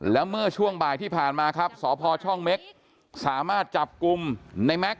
แล้วเมื่อช่วงบ่ายที่ผ่านมาครับสพช่องเม็กสามารถจับกลุ่มในแม็กซ